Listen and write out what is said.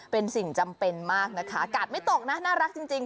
เป็นสิ่งจำเป็นมากนะคะกาดไม่ตกนะน่ารักจริง